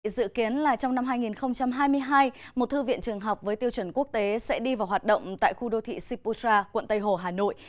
dự kiến là trong năm hai nghìn hai mươi hai một thư viện trường học với tiêu chuẩn quốc tế sẽ đi vào hoạt động tại khu đô thị siputra quận tây hồ hà nội